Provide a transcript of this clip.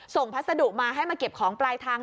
พัสดุมาให้มาเก็บของปลายทาง